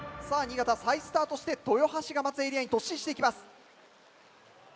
新潟再スタートして豊橋が待つエリアに突進していきます。